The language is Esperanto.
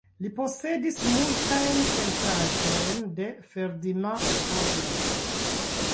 Li posedis multajn pentraĵojn de Ferdinand Hodler.